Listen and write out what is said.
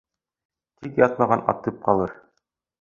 Тик ятмаған атып ҡалыр.